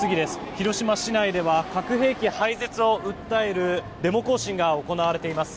広島市内では核兵器廃絶を訴えるデモ行進が行われています。